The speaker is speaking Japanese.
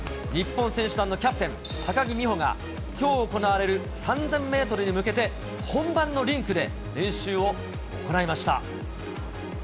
日本選手団のキャプテン、高木美帆が、きょう行われる３０００メートルに向けて、本番のリンクで練習を行いました。